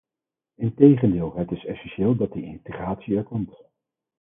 Integendeel, het is essentieel dat die integratie er komt.